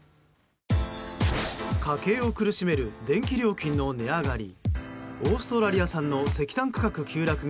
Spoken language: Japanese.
家計を苦しめる電気料金の値上がり。